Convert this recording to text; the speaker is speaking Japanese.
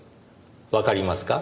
わかりますか？